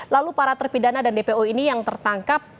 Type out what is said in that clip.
lalu para terpidana dan dpo ini yang tertangkap